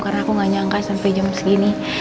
karena aku gak nyangka sampe jam segini